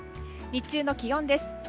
日中の気温です。